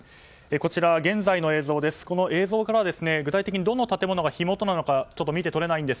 こちらは現在の映像です。